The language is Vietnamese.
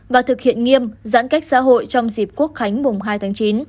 và thực hiện nghiêm giãn cách xã hội trong dịp quốc khánh mùng hai tháng chín